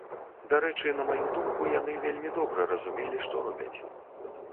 Дарэчы, на маю думку, яны вельмі добра разумелі, што робяць.